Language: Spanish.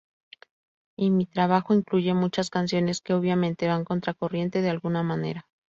Y mi trabajo incluye muchas canciones que obviamente van contracorriente de alguna manera.